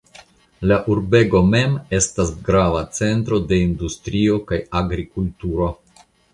La urbego mem estas grava centro de industrio kaj agrikulturo.